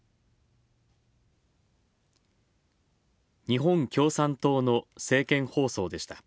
日本共産党の政見放送でした。